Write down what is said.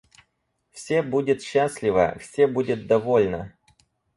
Все будет счастливо, все будет довольно.